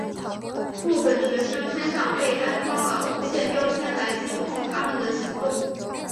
部分学生身上被安装了无线标签来监控他们的行动。